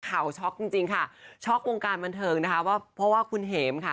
ช็อกจริงจริงค่ะช็อกวงการบันเทิงนะคะว่าเพราะว่าคุณเห็มค่ะ